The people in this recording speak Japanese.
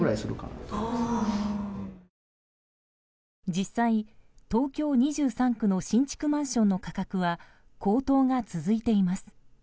実際、東京２３区の新築マンションの価格は高騰が続いています。